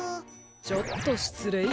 ちょっとしつれい。